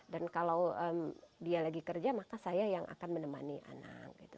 dan kalau dia lagi kerja maka saya yang akan menemani anak